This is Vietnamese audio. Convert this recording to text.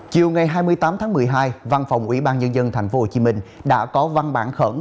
chiều ngày hai mươi tám tháng một mươi hai văn phòng ủy ban nhân dân tp hcm đã có văn bản khẩn